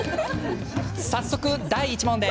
早速、第１問。